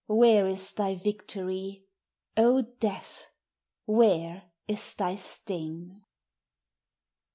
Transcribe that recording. where is thy victory? O Death ! where is thy sting?